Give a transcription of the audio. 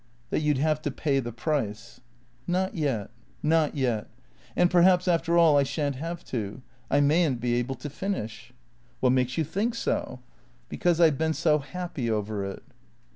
" That you 'd have to pay the price." "Not yet. Not yet. And perhaps, after all, I shan't have to. I may n't be able to finish," " What makes you think so ?"" Because I 've been so happy over it."